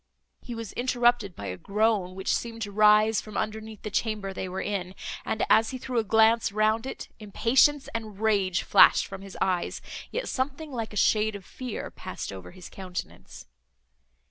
He was interrupted by a groan, which seemed to rise from underneath the chamber they were in; and, as he threw a glance round it, impatience and rage flashed from his eyes, yet something like a shade of fear passed over his countenance.